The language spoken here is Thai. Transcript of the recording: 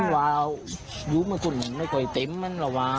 มันว่าอยู่มันส่วนไม่ค่อยเต็มมันหรอว่า